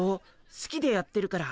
すきでやってるから。